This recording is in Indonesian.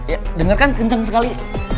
ya denger kan kenceng sekali